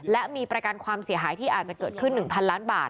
และมีประกันความเสียหายที่อาจจะเกิดขึ้น๑๐๐ล้านบาท